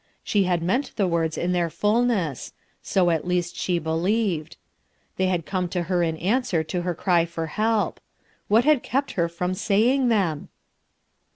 She had meant, the words in their fulness; so at least she believed. They had come to her in answer to her cry for help. What had kept her from saying them